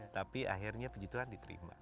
tapi akhirnya puji tuhan diterima